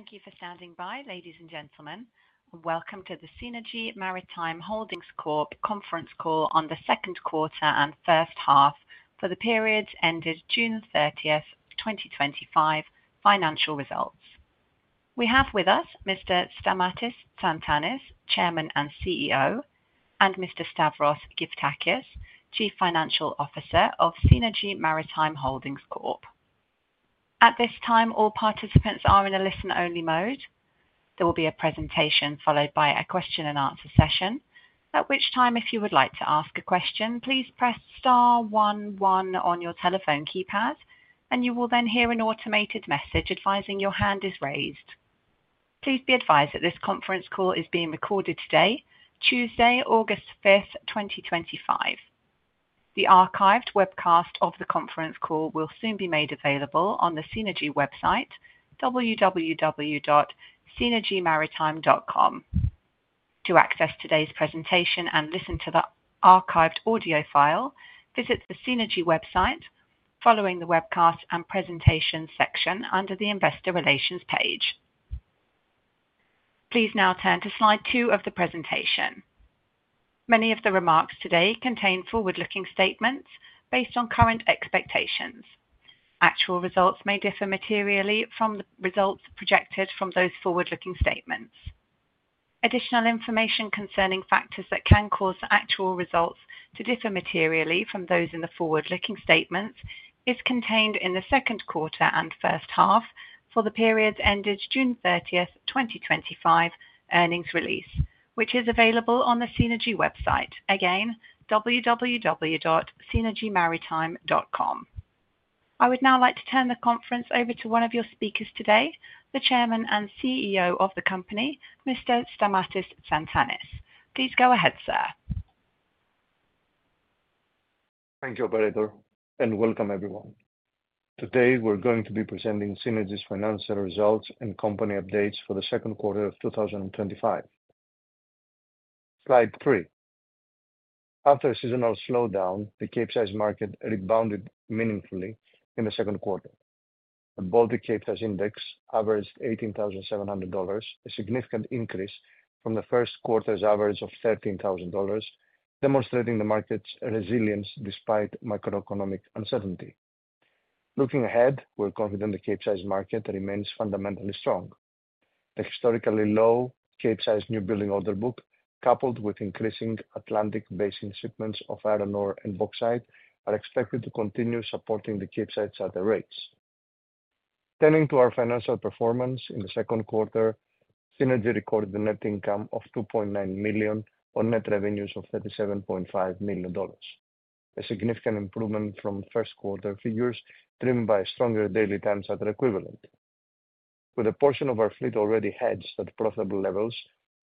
Thank you for standing by, ladies and gentlemen. Welcome to the Seanergy Maritime Holdings Corp. conference call on the second quarter and first half for the period ended June 30, 2025, financial results. We have with us Mr. Stamatis Tsantanis, Chairman and CEO, and Mr. Stavros Gyftakis, Chief Financial Officer of Seanergy Maritime Holdings Corp. At this time, all participants are in a listen-only mode. There will be a presentation followed by a question and answer session, at which time, if you would like to ask a question, please press star one, one on your telephone keypad, and you will then hear an automated message advising your hand is raised. Please be advised that this conference call is being recorded today, Tuesday, August 5, 2025. The archived webcast of the conference call will soon be made available on the Seanergy website, www.seanergymaritime.com. To access today's presentation and listen to the archived audio file, visit the Seanergy website following the webcast and presentation section under the Investor Relations page. Please now turn to slide 2 of the presentation. Many of the remarks today contain forward-looking statements based on current expectations. Actual results may differ materially from the results projected from those forward-looking statements. Additional information concerning factors that can cause actual results to differ materially from those in the forward-looking statements is contained in the second quarter and first half for the period ended June 30, 2025, earnings release, which is available on the Seanergy website, again, www.seanergymaritime.com. I would now like to turn the conference over to one of your speakers today, the Chairman and CEO of the company, Mr. Stamatis Tsantanis. Please go ahead, sir. Thank you, operator, and welcome, everyone. Today, we're going to be presenting Seanergy financial results and company updates for the second quarter of 2025. Slide 3. After a seasonal slowdown, the Capesize market rebounded meaningfully in the second quarter. The Baltic Capesize Index averaged $18,700, a significant increase from the first quarter's average of $13,000, demonstrating the market's resilience despite macroeconomic uncertainty. Looking ahead, we're confident the Capesize market remains fundamentally strong. The historically low Capesize new building order book, coupled with increasing Atlantic Basin shipments of iron ore and bauxite, are expected to continue supporting the Capesize charter rates. Turning to our financial performance in the second quarter, Seanergy recorded a net income of $2.9 million on net revenues of $37.5 million, a significant improvement from first-quarter figures driven by a stronger daily time charter equivalent. With a portion of our fleet already hedged at profitable levels,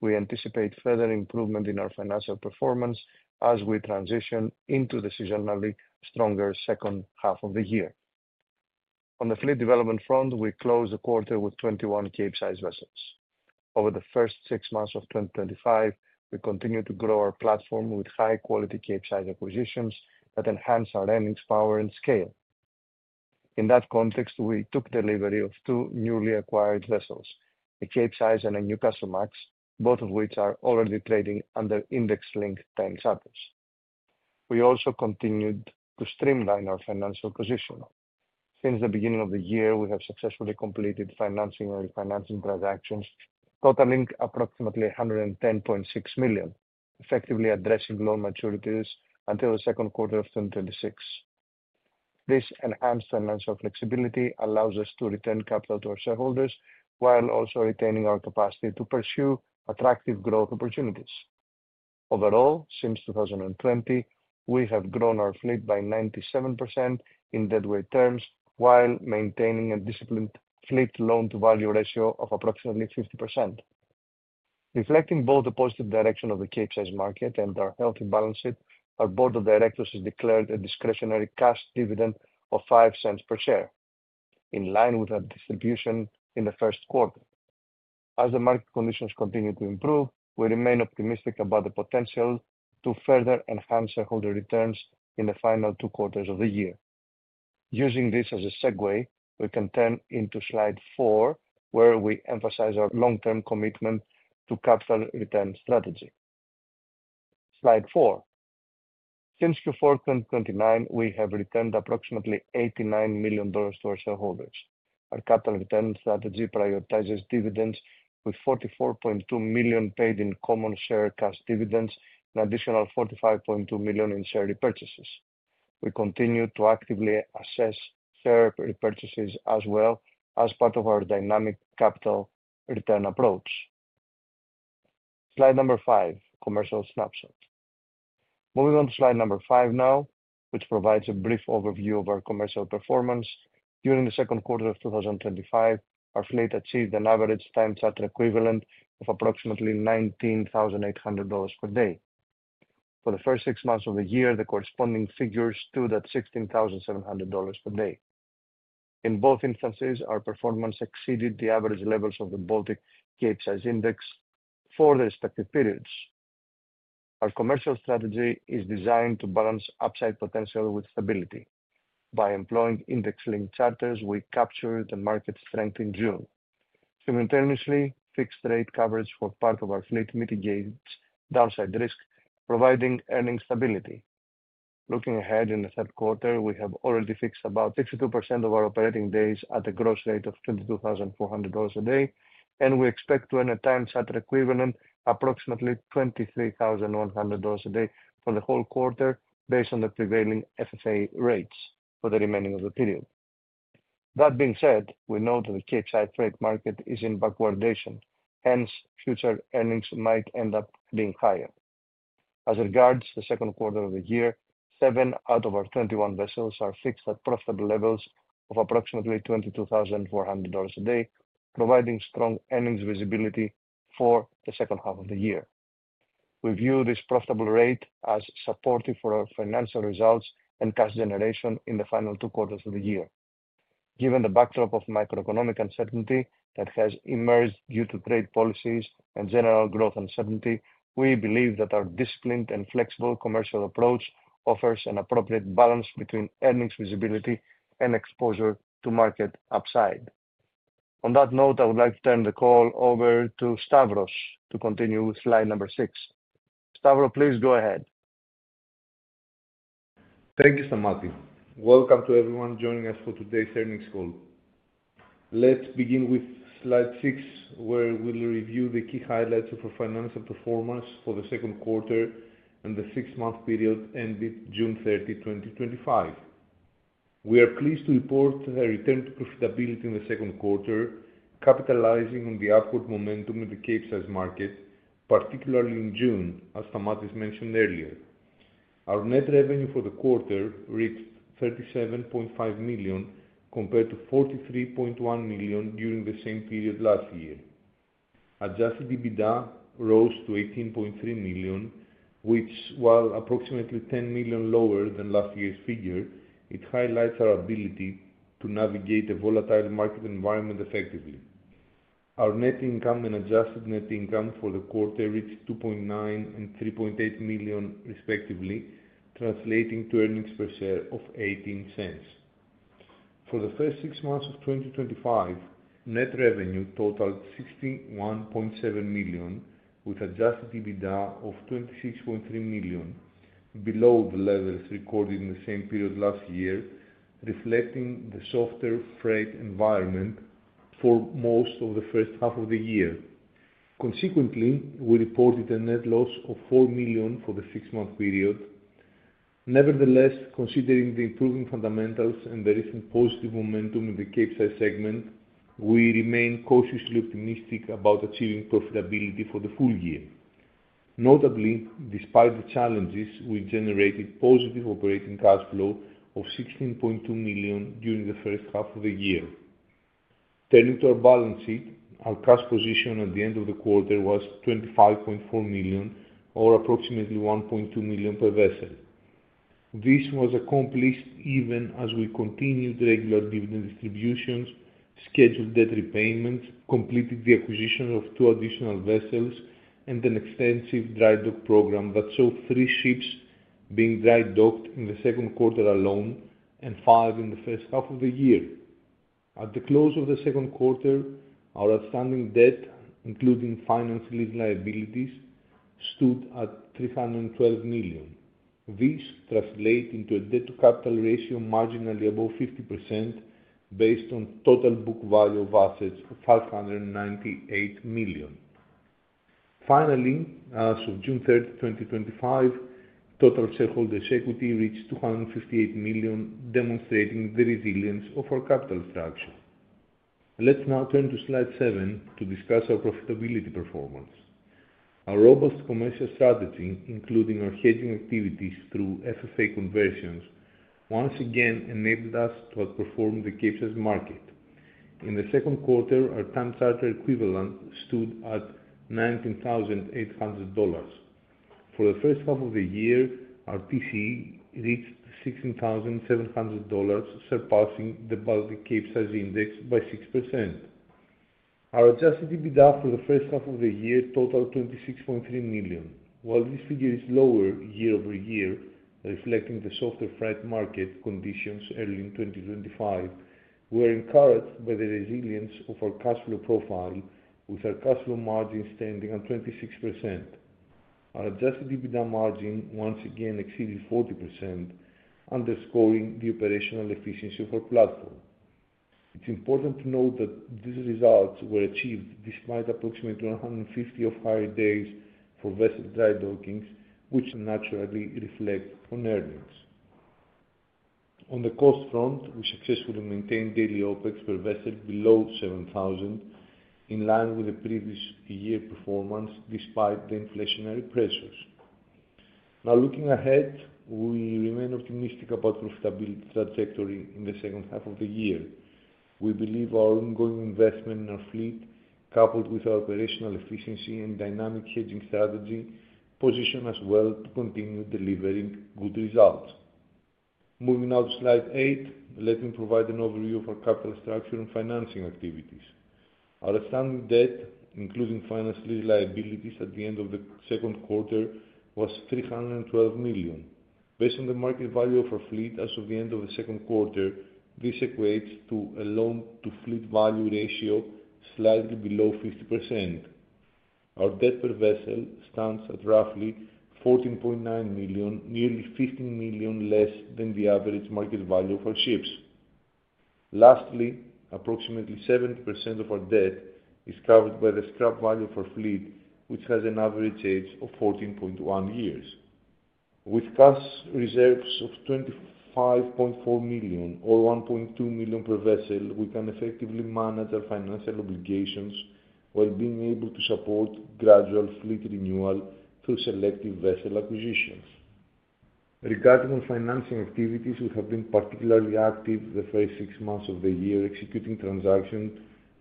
we anticipate further improvement in our financial performance as we transition into the seasonally stronger second half of the year. On the fleet development front, we closed the quarter with 21 Capesize vessels. Over the first six months of 2025, we continued to grow our platform with high-quality Capesize acquisitions that enhance our earnings power and scale. In that context, we took delivery of two newly acquired vessels, a Capesize and a Newcastlemax, both of which are already trading under index-linked time charters. We also continued to streamline our financial position. Since the beginning of the year, we have successfully completed financing and refinancing transactions, totaling approximately $110.6 million, effectively addressing loan maturities until the second quarter of 2026. This enhanced financial flexibility allows us to return capital to our shareholders while also retaining our capacity to pursue attractive growth opportunities. Overall, since 2020, we have grown our fleet by 97% in deadweight terms while maintaining a disciplined fleet loan-to-value ratio of approximately 50%. Reflecting both the positive direction of the Capesize market and our healthy balance sheet, our Board has declared a discretionary cash dividend of $0.05 per share, in line with our distribution in the first quarter. As the market conditions continue to improve, we remain optimistic about the potential to further enhance shareholder returns in the final two quarters of the year. Using this as a segue, we can turn into slide 4, where we emphasize our long-term commitment to capital return strategy. Slide 4. Since Q4 2019, we have returned approximately $89 million to our shareholders. Our capital return strategy prioritizes dividends, with $44.2 million paid in common share cash dividends and an additional $45.2 million in share repurchases. We continue to actively assess share repurchases as well as part of our dynamic capital return approach. Slide number 5, commercial snapshot. Moving on to slide number 5 now, which provides a brief overview of our commercial performance. During the second quarter of 2023, our fleet achieved an average time charter equivalent of approximately $19,800 per day. For the first six months of the year, the corresponding figures stood at $16,700 per day. In both instances, our performance exceeded the average levels of the Baltic Capesize Index for the respective periods. Our commercial strategy is designed to balance upside potential with stability. By employing index-linked charters, we captured the market's strength in June. Simultaneously, fixed-rate coverage for part of our fleet mitigates downside risk, providing earnings stability. Looking ahead, in the third quarter, we have already fixed about 62% of our operating days at a gross rate of $22,400 a day, and we expect to earn a time charter equivalent of approximately $23,100 a day for the whole quarter, based on the prevailing FFA rates for the remaining of the period. That being said, we know that the Capesize freight market is in backwardation, hence future earnings might end up being higher. As regards the second quarter of the year, seven out of our 21 vessels are fixed at profitable levels of approximately $22,400 a day, providing strong earnings visibility for the second half of the year. We view this profitable rate as supportive for our financial results and cash generation in the final two quarters of the year. Given the backdrop of macroeconomic uncertainty that has emerged due to trade policies and general growth uncertainty, we believe that our disciplined and flexible commercial approach offers an appropriate balance between earnings visibility and exposure to market upside. On that note, I would like to turn the call over to Stavros to continue with slide number 6. Stavros, please go ahead. Thank you, Stamatis. Welcome to everyone joining us for today's earnings call. Let's begin with slide 6, where we'll review the key highlights of our financial performance for the second quarter and the six-month period ended June 30, 2025. We are pleased to report a return to profitability in the second quarter, capitalizing on the upward momentum in the Capesize market, particularly in June, as Stamatis mentioned earlier. Our net revenue for the quarter reached $37.5 million compared to $43.1 million during the same period last year. Adjusted EBITDA rose to $18.3 million, which, while approximately $10 million lower than last year's figure, highlights our ability to navigate a volatile market environment effectively. Our net income and adjusted net income for the quarter reached $2.9 million and $3.8 million, respectively, translating to earnings per share of $0.18. For the first six months of 2025, net revenue totaled $61.7 million, with an adjusted EBITDA of $26.3 million, below the levels recorded in the same period last year, reflecting the softer freight environment for most of the first half of the year. Consequently, we reported a net loss of $4 million for the six-month period. Nevertheless, considering the improving fundamentals and the recent positive momentum in the Capesize segment, we remain cautiously optimistic about achieving profitability for the full year. Notably, despite the challenges, we generated positive operating cash flow of $16.2 million during the first half of the year. Turning to our balance sheet, our cash position at the end of the quarter was $25.4 million, or approximately $1.2 million per vessel. This was accomplished even as we continued regular dividend distributions, scheduled debt repayments, completed the acquisition of two additional vessels, and an extensive dry docking program that saw three ships being dry docked in the second quarter alone and five in the first half of the year. At the close of the second quarter, our outstanding debt, including financial liabilities, stood at $312 million. This translates into a debt-to-capital ratio marginally above 50%, based on total book value of assets of $598 million. Finally, as of June 30, 2025, total shareholders' equity reached $258 million, demonstrating the resilience of our capital structure. Let's now turn to slide 7 to discuss our profitability performance. Our robust commercial strategy, including our hedging activities through FFA conversions, once again enabled us to outperform the Capesize market. In the second quarter, our time charter equivalent stood at $19,800. For the first half of the year, our TCE reached $16,700, surpassing the Baltic Capesize Index by 6%. Our adjusted EBITDA for the first half of the year totaled $26.3 million. While this figure is lower year over year, reflecting the softer freight market conditions early in 2023, we're encouraged by the resilience of our cash flow profile, with our cash flow margin standing at 26%. Our adjusted EBITDA margin once again exceeded 40%, underscoring the operational efficiency of our platform. It's important to note that these results were achieved despite approximately 150 off-hire days for vessel dry docking, which naturally reflects on earnings. On the cost front, we successfully maintained daily OpEx per vessel below $7,000, in line with the previous year's performance despite the inflationary pressures. Now, looking ahead, we remain optimistic about the profitability trajectory in the second half of the year. We believe our ongoing investment in our fleet, coupled with our operational efficiency and dynamic hedging strategy, positions us well to continue delivering good results. Moving now to slide 8, let me provide an overview of our capital structure and financing activities. Our outstanding debt, including financial liabilities at the end of the second quarter, was $312 million. Based on the market value of our fleet as of the end of the second quarter, this equates to a loan-to-fleet value ratio slightly below 50%. Our debt per vessel stands at roughly $14.9 million, nearly $15 million less than the average market value of our ships. Lastly, approximately 70% of our debt is covered by the scrap value of our fleet, which has an average age of 14.1 years. With cash reserves of $25.4 million or $1.2 million per vessel, we can effectively manage our financial obligations while being able to support gradual fleet renewal through selective vessel acquisitions. Regarding our financing activities, we have been particularly active the first six months of the year, executing transactions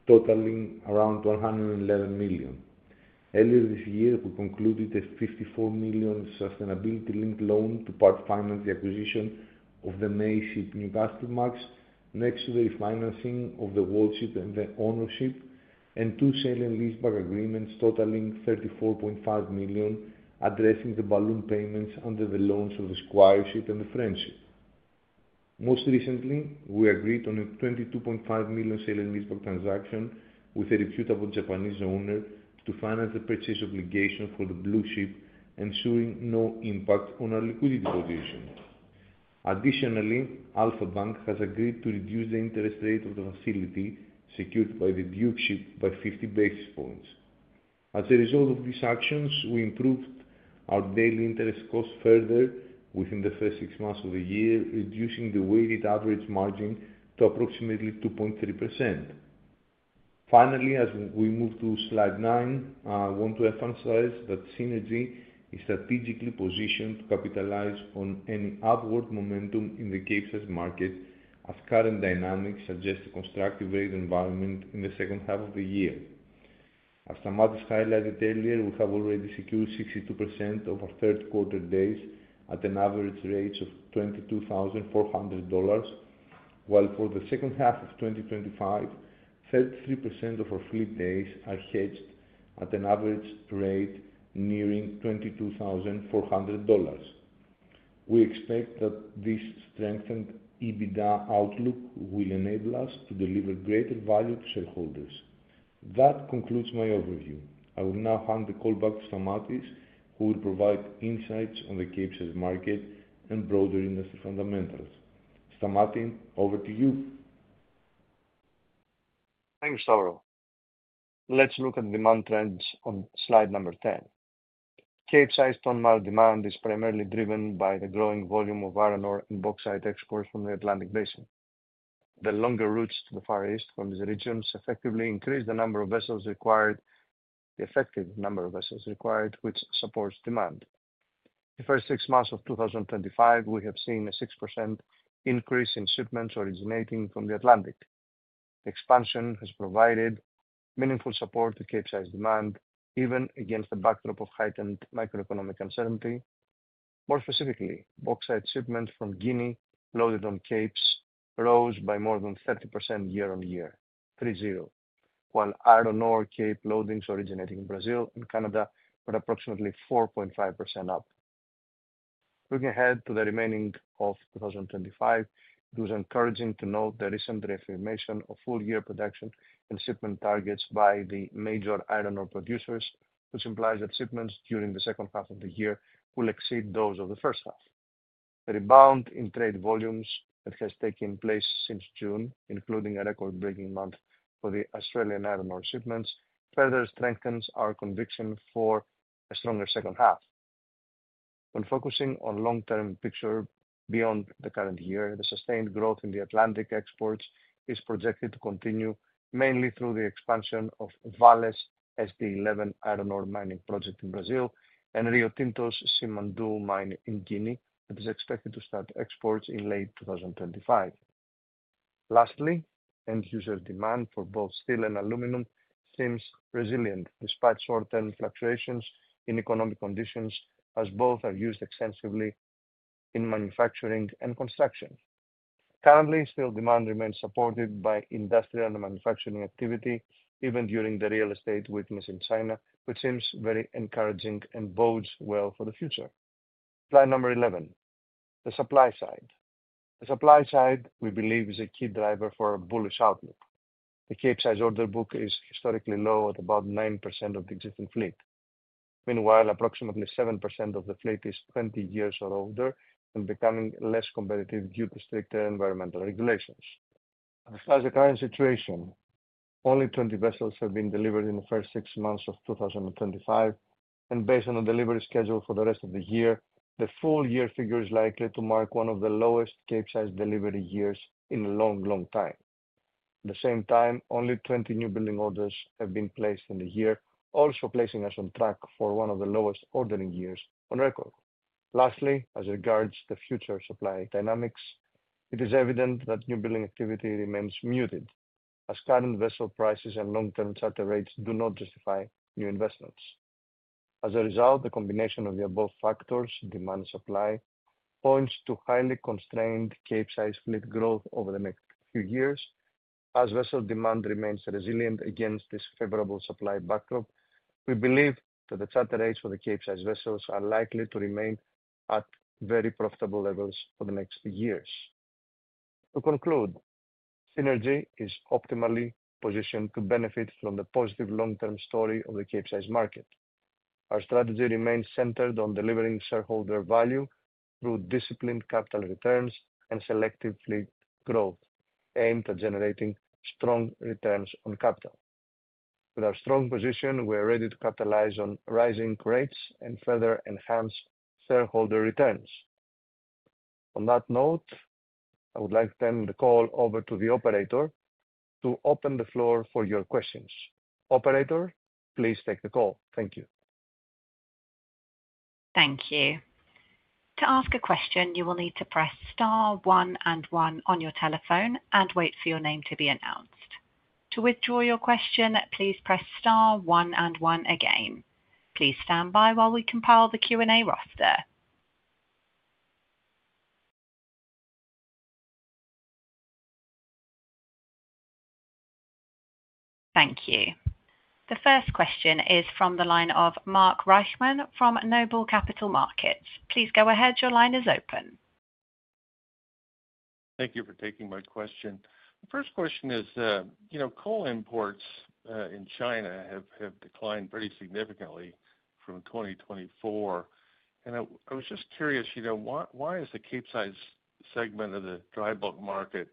totaling around $111 million. Earlier this year, we concluded a $54 million sustainability lending loan to finance the acquisition of the May SHIP, Newcastlemax, next to the refinancing of the Walt ship and the Owner SHIP, and two sale and leaseback agreements totaling $34.5 million, addressing the balloon payments under the loans of the Squire ship and the Friend SHIP. Most recently, we agreed on a $22.5 million sale and leaseback transaction with a reputable Japanese owner to finance the purchase obligation for the Blue ship, ensuring no impact on our liquidity position. Additionally, Alpha Bank has agreed to reduce the interest rate of the facility secured by the Duke ship by 50 basis points. As a result of these actions, we improved our daily interest cost further within the first six months of the year, reducing the weighted average margin to approximately 2.3%. Finally, as we move to slide 9, I want to emphasize that Seanergy is strategically positioned to capitalize on any upward momentum in the Capesize market, as current dynamics suggest a constructive rate environment in the second half of the year. As Stamatis highlighted earlier, we have already secured 62% of our third-quarter days at an average rate of $22,400, while for the second half of 2025, 33% of our fleet days are hedged at an average rate nearing $22,400. We expect that this strengthened EBITDA outlook will enable us to deliver greater value to shareholders. That concludes my overview. I will now hand the call back to Stamatis, who will provide insights on the Capesize market and broader industry fundamentals. Stamatis, over to you. Thank you, Stavros. Let's look at demand trends on slide number 10. Capesize ton mile demand is primarily driven by the growing volume of iron ore and bauxite exports from the Atlantic Basin. The longer routes to the Far East from these regions effectively increase the number of vessels required, the effective number of vessels required, which supports demand. In the first six months of 2025, we have seen a 6% increase in shipments originating from the Atlantic. The expansion has provided meaningful support to Capesize demand, even against the backdrop of heightened macroeconomic uncertainty. More specifically, bauxite shipments from Guinea loaded on Capes rose by more than 30% year on year, three zero, while iron ore Cape loadings originating in Brazil and Canada were approximately 4.5% up. Looking ahead to the remaining of 2025, it was encouraging to note the recent reaffirmation of full-year production and shipment targets by the major iron ore producers, which implies that shipments during the second half of the year will exceed those of the first half. The rebound in trade volumes that has taken place since June, including a record-breaking month for the Australian iron ore shipments, further strengthens our conviction for a stronger second half. When focusing on the long-term picture beyond the current year, the sustained growth in the Atlantic exports is projected to continue mainly through the expansion of Vale's SD11 iron ore mining project in Brazil and Rio Tinto's Simandou mine in Guinea, that is expected to start exports in late 2025. Lastly, end-user demand for both steel and aluminum seems resilient despite short-term fluctuations in economic conditions, as both are used extensively in manufacturing and construction. Currently, steel demand remains supported by industrial and manufacturing activity, even during the real estate weakness in China, which seems very encouraging and bodes well for the future. Slide number 11, the supply side. The supply side, we believe, is a key driver for a bullish outlook. The Capesize order book is historically low at about 9% of the existing fleet. Meanwhile, approximately 7% of the fleet is 20 years or older and becoming less competitive due to stricter environmental regulations. As far as the current situation, only 20 vessels have been delivered in the first six months of 2025, and based on the delivery schedule for the rest of the year, the full-year figure is likely to mark one of the lowest Capesize delivery years in a long, long time. At the same time, only 20 newbuilding orders have been placed in the year, also placing us on track for one of the lowest ordering years on record. Lastly, as regards the future supply dynamics, it is evident that newbuilding activity remains muted, as current vessel prices and long-term charter rates do not justify new investments. As a result, the combination of the above factors, demand and supply, points to highly constrained Capesize fleet growth over the next few years. As vessel demand remains resilient against this favorable supply backdrop, we believe that the charter rates for the Capesize vessels are likely to remain at very profitable levels for the next few years. To conclude, Seanergy is optimally positioned to benefit from the positive long-term story of the Capesize market. Our strategy remains centered on delivering shareholder value through disciplined capital returns and selective fleet growth aimed at generating strong returns on capital. With our strong position, we are ready to capitalize on rising rates and further enhance shareholder returns. On that note, I would like to turn the call over to the operator to open the floor for your questions. Operator, please take the call. Thank you. Thank you. To ask a question, you will need to press *1 and 1 on your telephone and wait for your name to be announced. To withdraw your question, please press Star one and one again. Please stand by while we compile the Q&A roster. Thank you. The first question is from the line of Mark Reichman from Noble Capital Markets. Please go ahead, your line is open. Thank you for taking my question. The first question is, you know, coal imports in China have declined pretty significantly from 2024, and I was just curious, you know, why is the Capesize segment of the dry bulk market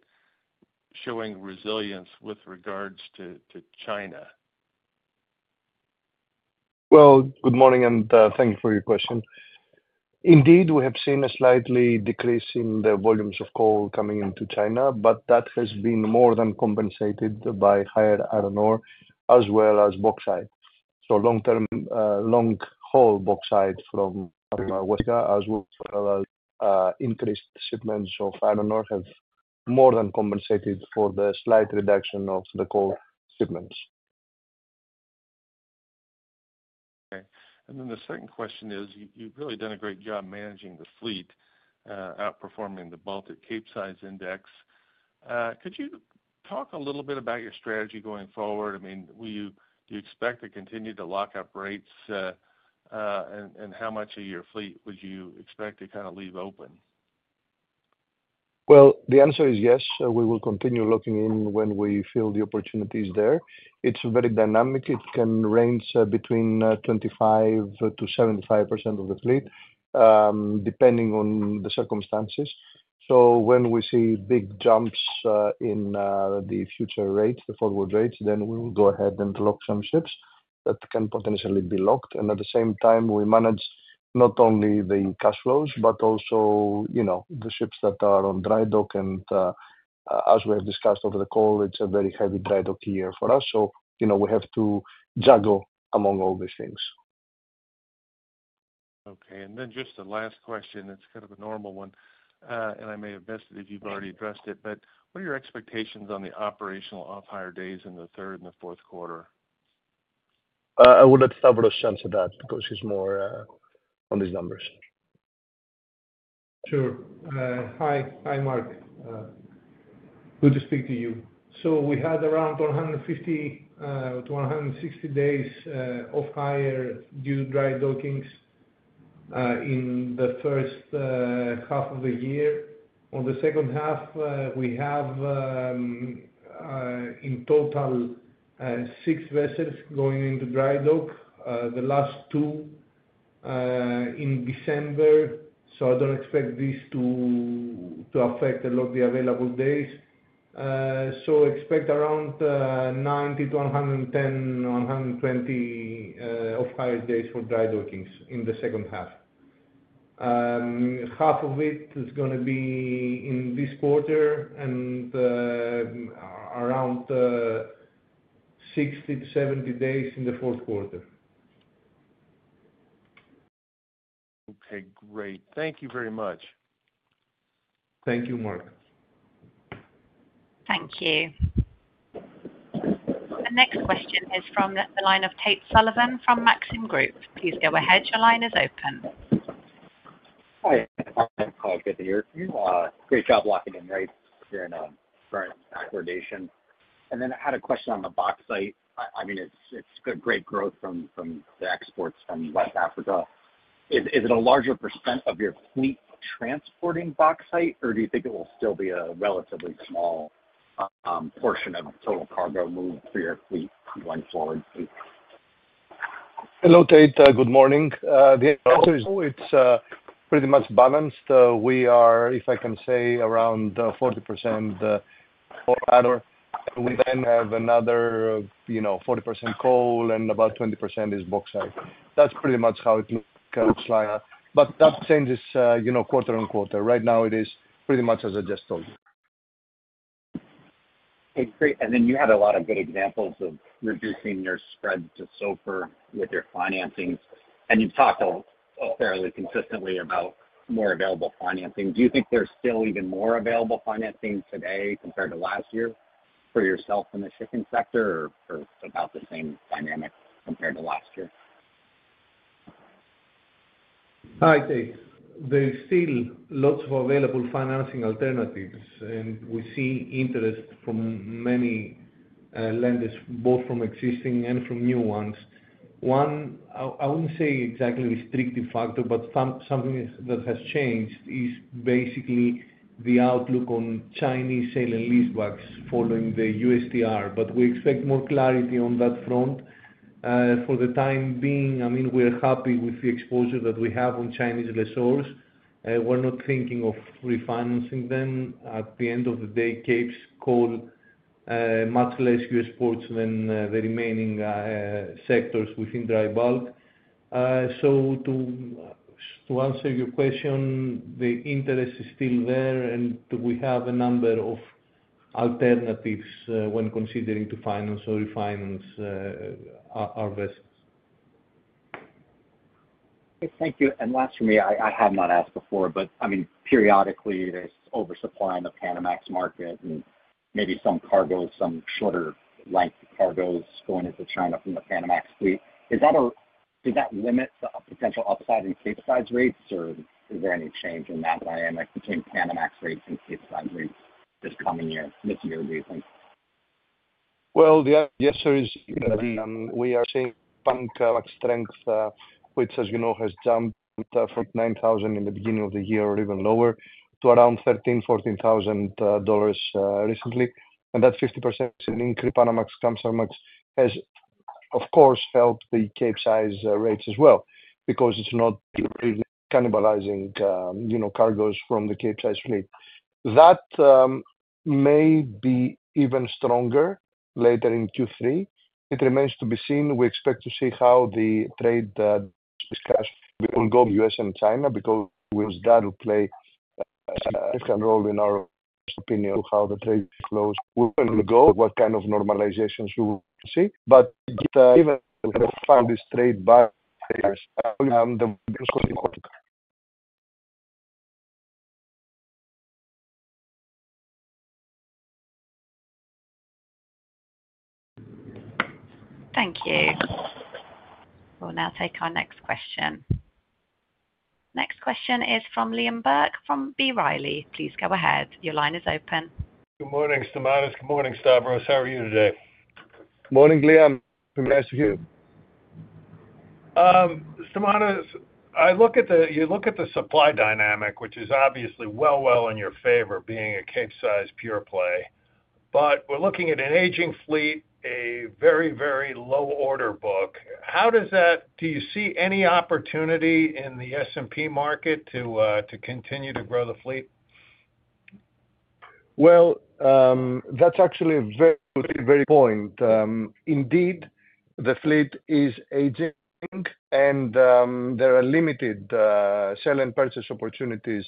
showing resilience with regards to China? Good morning and thank you for your question. Indeed, we have seen a slight decrease in the volumes of coal coming into China, but that has been more than compensated by higher iron ore as well as bauxite. Long-term, long-haul bauxite from Guinea, as well as increased shipments of iron ore, have more than compensated for the slight reduction of the coal shipments. Okay. The second question is, you've really done a great job managing the fleet, outperforming the Baltic Capesize Index. Could you talk a little bit about your strategy going forward? I mean, do you expect to continue to lock up rates, and how much of your fleet would you expect to kind of leave open? The answer is yes. We will continue locking in when we feel the opportunity is there. It's very dynamic. It can range between 25%-75% of the fleet, depending on the circumstances. When we see big jumps in the future rates, the forward rates, then we will go ahead and lock some ships that can potentially be locked. At the same time, we manage not only the cash flows, but also the ships that are on dry dock. As we have discussed over the call, it's a very heavy dry dock year for us. We have to juggle among all these things. Okay. Just the last question, it's kind of a normal one, and I may have missed it if you've already addressed it, but what are your expectations on the operational off-hire days in the third and the fourth quarter? I will let Stavros answer that because he's more on these numbers. Hi, Mark. Good to speak to you. We had around 150 to 160 days off-hire due to dry docking in the first half of the year. In the second half, we have in total six vessels going into dry dock, with the last two in December. I don't expect these to affect a lot of the available days. Expect around 90 to 110, 120 off-hire days for dry docking in the second half. Half of it is going to be in this quarter and around 60 to 70 days in the fourth quarter. Okay, great. Thank you very much. Thank you, Mark. Thank you. The next question is from the line of Tate Sullivan from Maxim Group. Please go ahead, your line is open. Hi. Good to hear from you. Great job locking in rates and for accommodation. I had a question on the bauxite. I mean, it's good, great growth from the exports from West Africa. Is it a larger % of your fleet transporting bauxite, or do you think it will still be a relatively small portion of total cargo movement for your fleet going forward? Hello, Tate. Good morning. The answer is no, it's pretty much balanced. We are, if I can say, around 40% of iron ore. We then have another 40% coal and about 20% is bauxite. That's pretty much how it looks like. That changes quarter on quarter. Right now, it is pretty much as I just told you. Okay, great. You had a lot of good examples of reducing your spread to SOFR with your financings. You've talked all fairly consistently about more available financing. Do you think there's still even more available financing today compared to last year for yourself in the shipping sector, or is it about the same dynamic compared to last year? Hi, Tate. There's still lots of available financing alternatives, and we see interest from many lenders, both from existing and from new ones. I wouldn't say exactly a restrictive factor, but something that has changed is basically the outlook on Chinese sale and leasebacks following the U.S. dollar. We expect more clarity on that front. For the time being, we're happy with the exposure that we have on Chinese resources. We're not thinking of refinancing them. At the end of the day, Capesize coal has much less U.S. ports than the remaining sectors within dry bulk. To answer your question, the interest is still there, and we have a number of alternatives when considering to finance or refinance our vessels. Thank you. Last for me, I have not asked before, but periodically, there's oversupply in the Panamax market and maybe some cargo, some shorter life cargoes going into China from the Panamax fleet. Is that, does that limit the potential upside in Capesize rates, or is there any change in that dynamic between Panamax rates and Capesize rates this coming year, this year, do you think? We are seeing bank strength, which, as you know, has jumped from $9,000 in the beginning of the year or even lower to around $13,000, $14,000 recently. That 50% increase in Panamax has of course helped the Capesize rates as well because it's not really cannibalizing cargoes from the Capesize fleet. That may be even stronger later in Q3. It remains to be seen. We expect to see how the trade discussion will go in the U.S. and China because that will play a significant role in our opinion of how the trade flows, where it will go, what kind of normalizations you will see. Even if we have found this trade by the U.S. continent. Thank you. We'll now take our next question. Next question is from Liam Burke from B. Riley Securities. Please go ahead. Your line is open. Good morning, Stamatis. Good morning, Stavros. How are you today? Morning, Liam. Nice to be with you. Stamatis, you look at the supply dynamic, which is obviously well in your favor being a Capesize pure play. We're looking at an aging fleet, a very, very low order book. How does that, do you see any opportunity in the S&P market to continue to grow the fleet? That's actually a very, very good point. Indeed, the fleet is aging and there are limited sale and purchase opportunities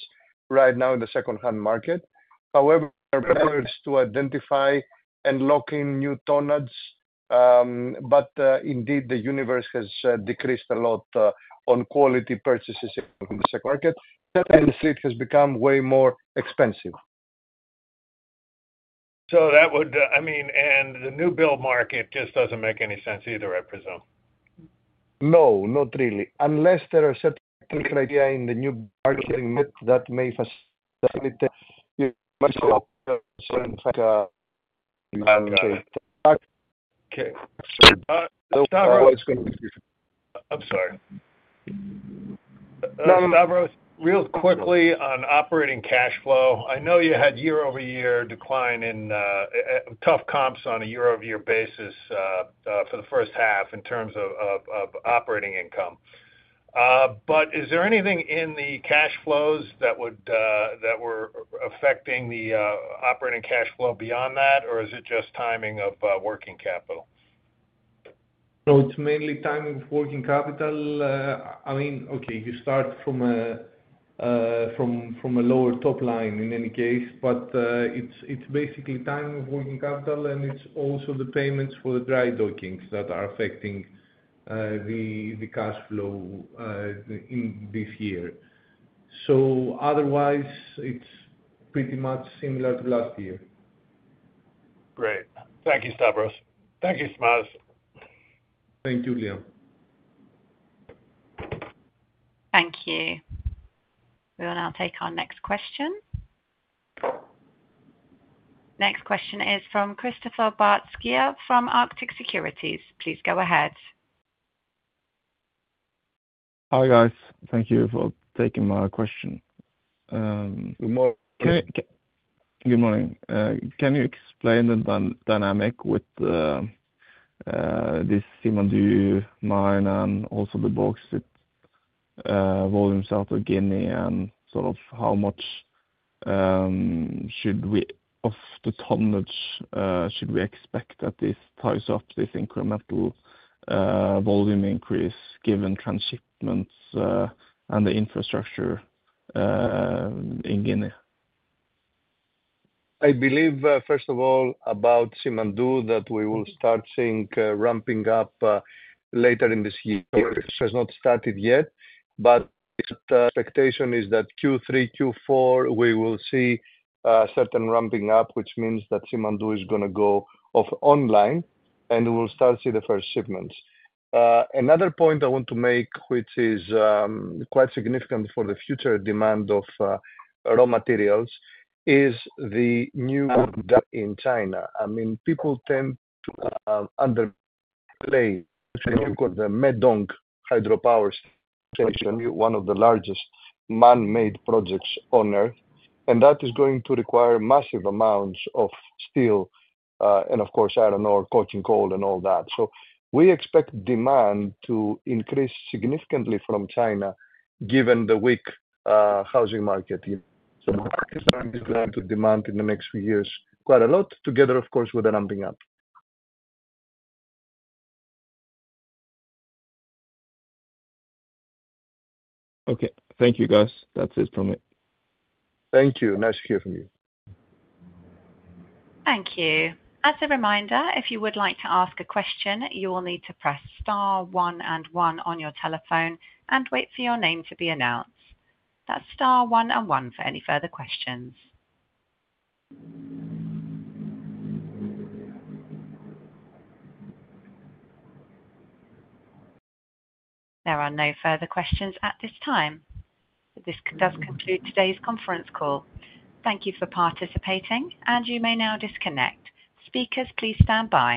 right now in the second-hand market. However, in order to identify and lock in new tonnage, the universe has decreased a lot on quality purchases in the second market. Certainly, the fleet has become way more expensive. That would, I mean, the new build market just doesn't make any sense either, I presume. No, not really. Unless there are certain criteria in the new marketing mix that may facilitate... Stavros, real quickly on operating cash flow. I know you had year-over-year decline in tough comps on a year-over-year basis for the first half in terms of operating income. Is there anything in the cash flows that were affecting the operating cash flow beyond that, or is it just timing of working capital? No, it's mainly timing of working capital. I mean, okay, you start from a lower top line in any case, but it's basically timing of working capital, and it's also the payments for the dry dockings that are affecting the cash flow in this year. Otherwise, it's pretty much similar to last year. Great. Thank you, Stavros. Thank you, Stamatis. Thank you, Liam. Thank you. We will now take our next question. Next question is from Kristoffer Barth Skeie from Arctic Securities AS. Please go ahead. Hi guys, thank you for taking my question. Good morning. Good morning. Can you explain the dynamic with this Simandou mine and also the bauxite volumes out of Guinea, and sort of how much should we, of the tonnage, should we expect that this ties up, this incremental volume increase, given transshipments and the infrastructure in Guinea? I believe, first of all, about Simandou, that we will start seeing ramping up later in this year. It has not started yet, but the expectation is that Q3, Q4, we will see a certain ramping up, which means that Simandou is going to go offline and we will start seeing the first shipments. Another point I want to make, which is quite significant for the future demand of raw materials, is the new in China. I mean, people tend to underplay the Medong Hydropower, which is one of the largest man-made projects on Earth. That is going to require massive amounts of steel and, of course, iron ore, coking coal, and all that. We expect demand to increase significantly from China, given the weak housing market. Market demand is going to demand in the next few years quite a lot, together, of course, with the ramping up. Okay, thank you guys. That's it from me. Thank you. Nice to hear from you. Thank you. As a reminder, if you would like to ask a question, you will need to press star one and one on your telephone and wait for your name to be announced. That's star one and one for any further questions. There are no further questions at this time. This does conclude today's conference call. Thank you for participating, and you may now disconnect. Speakers, please stand by.